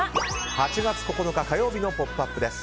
８月９日、火曜日の「ポップＵＰ！」です。